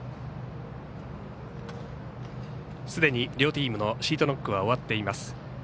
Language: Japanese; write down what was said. すでに両チームのシートノックは終わっています。